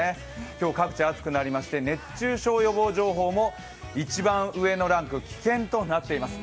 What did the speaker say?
今日、各地暑くなりまして、熱中症予防情報も一番上のランク、危険となっています。